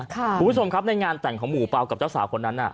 คุณผู้ชมครับในงานแต่งของหมู่เปล่ากับเจ้าสาวคนนั้นน่ะ